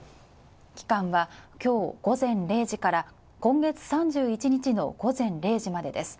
期間は今日午前０時から今月３１日の午前０時までです。